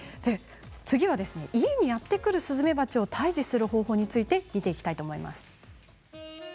次は家にやって来るスズメバチを退治する方法について見ていきたいと思います。